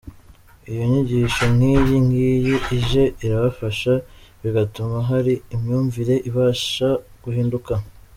Iyo inyigisho nk’iyi ngiyi ije irabafasha bigatuma hari imyumvire ibasha guhinduka.